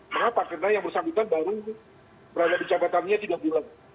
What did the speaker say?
kenapa karena yang bersambungkan baru berada di jabatannya tidak bilang